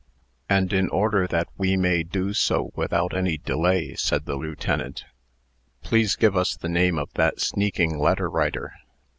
"And in order that we may do so without any delay," said the lieutenant, "please give us the name of that sneaking letter writer."